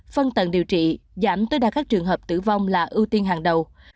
phân tận điều trị giảm tới đa các trường hợp tử vong là ưu tiên hàng đầu